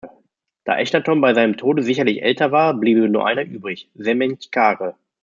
Da Echnaton bei seinem Tode sicherlich älter war, bliebe nur einer übrig: Semenchkare.